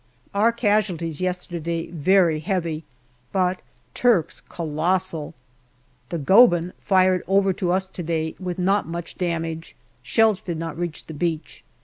Our casualties yesterday very heavy, but Turks' colossal. The Goeben fired over to us to day with not much damage ; shells did not reach the beach.